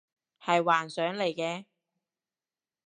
係幻想嚟嘅